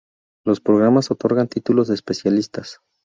Los programas otorgan títulos de especialistas.